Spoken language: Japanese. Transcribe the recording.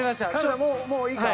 もういいか？